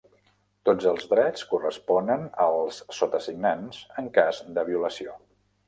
Tots els drets corresponen als sotasignats en cas de violació.